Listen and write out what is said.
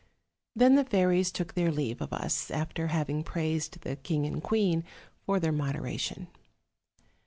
Then the fairies took their leave of us, after having praised the king and queen for their moderation.